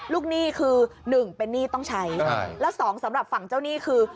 หนี้คือหนึ่งเป็นหนี้ต้องใช้ใช่แล้วสองสำหรับฝั่งเจ้าหนี้คือ